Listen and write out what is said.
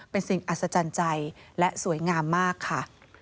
เป็นสิ่งอัศจรรย์ใจและสวยงามมากค่ะ